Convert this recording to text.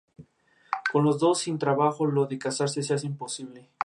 La industria, que el gobierno no veía como relevante políticamente, recibió un gran apoyo.